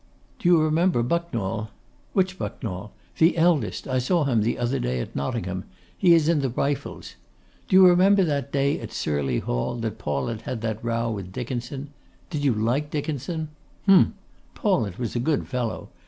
'Do you remember Bucknall? Which Bucknall? The eldest: I saw him the other day at Nottingham; he is in the Rifles. Do you remember that day at Sirly Hall, that Paulet had that row with Dickinson? Did you like Dickinson? Hum! Paulet was a good fellow.